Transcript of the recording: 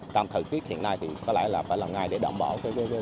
trong thời tiết hiện nay thì có lẽ là phải làm ngay để đảm bảo